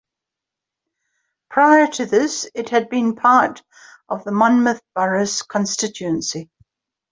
Prior to this it had been part of the Monmouth Boroughs constituency.